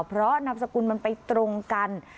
เพราะนามสกุลมันไปตรงกัน